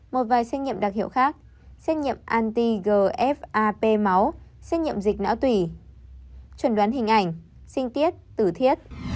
một vài xét nghiệm đặc hiệu khác xét nghiệm ant gfap máu xét nghiệm dịch não tủy chuẩn đoán hình ảnh sinh tiết tử thiết